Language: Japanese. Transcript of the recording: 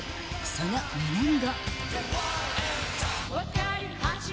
その２年後。